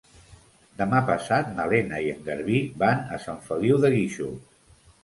Demà passat na Lena i en Garbí van a Sant Feliu de Guíxols.